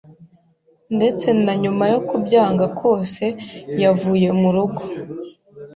Ndetse na nyuma yo kubyanga kwose, yavuye murugo.